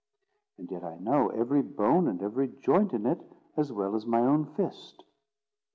And yet I know every bone and every joint in it as well as my own fist.